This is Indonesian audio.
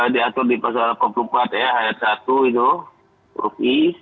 diatur di pasar delapan puluh empat ya ayat satu itu rupi